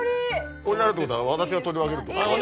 ここにあるってことは私が取り分けるってこと？